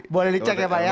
boleh dicek ya pak ya